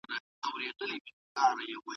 زموږ د کرکټ ملي لوبډلې ډېر پرمختګ کړی دی.